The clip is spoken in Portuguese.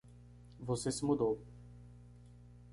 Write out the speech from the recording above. Você se mudou